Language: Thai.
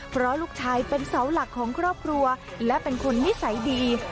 เพราะลูกชายเป็นเสาหลักของครอบครัวและเป็นคนนิสัยดี